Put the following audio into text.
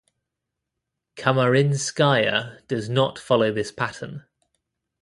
"Kamarinskaya" does not follow this pattern.